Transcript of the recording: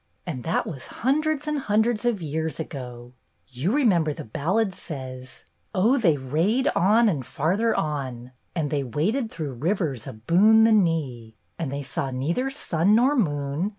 And that was hun dreds and hundreds of years ago! You re member the ballad says :— O they rade on and farther on, And they waded through rivers aboon the knee. And they saw neither sun nor moon.